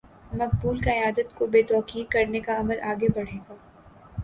مقبول قیادت کو بے توقیر کرنے کا عمل آگے بڑھے گا۔